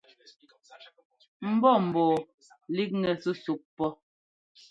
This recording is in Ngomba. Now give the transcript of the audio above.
Mbɔ́ mbɔɔ líkŋɛ súsúk pɔ.